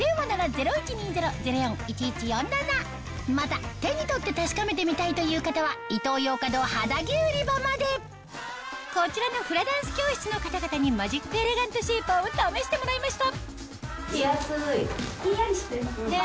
また手に取って確かめてみたいという方はこちらのフラダンス教室の方々にマジックエレガントシェイパーを試してもらいました